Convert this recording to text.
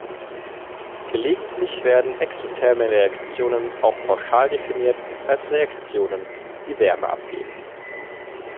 Gelegentlich werden exotherme Reaktionen auch pauschal definiert als Reaktionen, die Wärme abgeben.